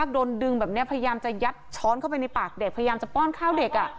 โดนดึงแบบนี้พยายามจะยัดช้อนเข้าไปในปากเด็กพยายามจะป้อนข้าวเด็ก